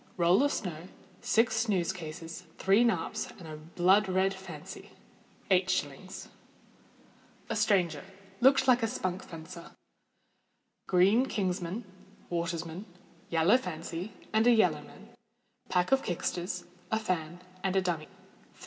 _ Roll of snow, six snooze cases, three narps, and a blood red fancy. 8_s._ A Stranger—looked like a spunk fencer. Green king's man, water's man, yellow fancy, and yellow man; pair of kicksters, a fan, and a dummie.